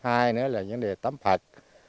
thứ ba nữa là những đề tắm phật